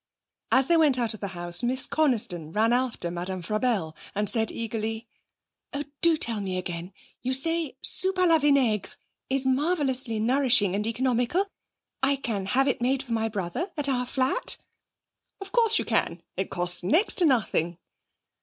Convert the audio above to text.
As they went out of the house Miss Coniston ran after Madame Frabelle and said eagerly: 'Oh, do tell me again; you say soupe à la vinaigre is marvellously nourishing and economical. I can have it made for my brother at our flat?' 'Of course you can! It costs next to nothing.'